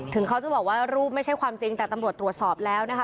ถึงเขาจะบอกว่ารูปไม่ใช่ความจริงแต่ตำรวจตรวจสอบแล้วนะคะ